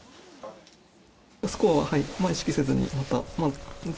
スコアは意識せずに、また全